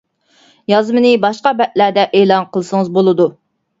يازمىنى باشقا بەتلەردە ئېلان قىلسىڭىز بولىدۇ.